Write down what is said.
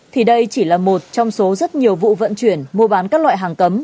thì đây chỉ là một trong số rất nhiều vụ vận chuyển mua bán các loại hàng cấm